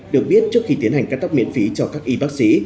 được biết trước khi tiến hành cắt tóc miễn phí cho các y bác sĩ